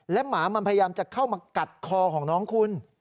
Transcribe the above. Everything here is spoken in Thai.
หมามันพยายามจะเข้ามากัดคอของน้องคุณ